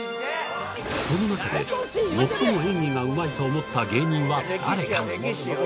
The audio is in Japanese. その中で最も演技がうまいと思った芸人は誰か？